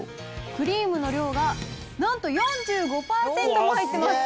クリームの量がなんと４５％も入ってます。